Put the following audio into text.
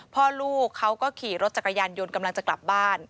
พ่อลูกเขาก็ขี่รถจักรยานยนต์กำลังจะกลับบ้าน